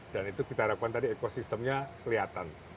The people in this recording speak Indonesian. dan itu kita harapkan tadi ekosistemnya kelihatan